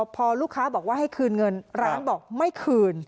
พอลูกค้าบอกว่าให้คืนเงินร้านบอกไม่คืน